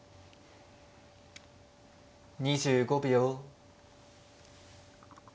２５秒。